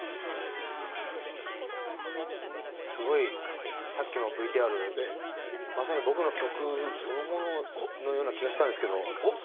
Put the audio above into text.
すごいさっきのＶＴＲまさに僕の曲そのもののような気がしたんですけど。